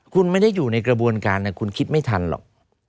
คุณไม่ได้อยู่ในกระบวนการนะคุณคิดไม่ทันหรอก